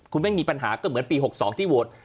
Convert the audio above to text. คุณไม่มีปัญหาก็เหมือนปี๖๒ที่โหวต